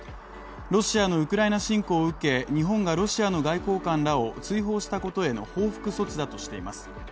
ロシアのウクライナ侵攻を受け日本がロシアの外交官らを追放したことへの報復措置だとしています。